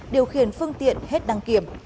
điều khiển phương tiện hết đăng kiểm